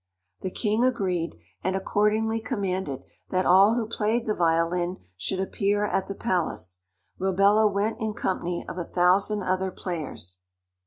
The king agreed and accordingly commanded that all who played the violin should appear at the palace. Robello went in company of a thousand other players.